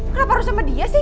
kenapa harus sama dia sih